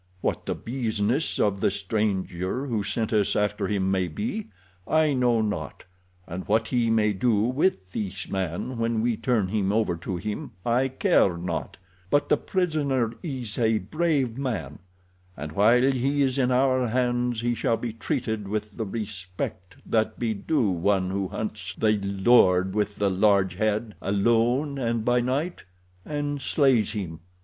What the business of the stranger who sent us after him may be, I know not, and what he may do with this man when we turn him over to him, I care not; but the prisoner is a brave man, and while he is in our hands he shall be treated with the respect that be due one who hunts the lord with the large head alone and by night—and slays him."